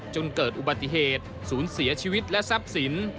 จนเกิดอุบัติเหตุศูนย์เสียชีวิตและทรัพย์สิน